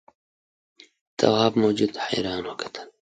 تواب موجود ته حیران وکتل.